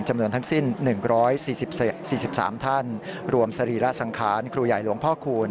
จำนวนทั้งสิ้น๑๔๓ท่านรวมสรีระสังขารครูใหญ่หลวงพ่อคูณ